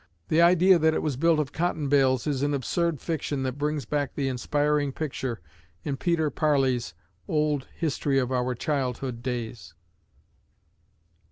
The idea that it was built of cotton bales is an absurd fiction that brings back the inspiring picture in Peter Parley's old history of our childhood days....